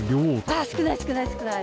あー、少ない、少ない、少ない。